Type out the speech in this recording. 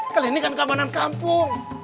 kalau ini kan keamanan kampung